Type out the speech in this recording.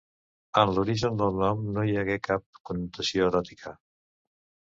En l'origen del nom no hi hagué cap connotació eròtica.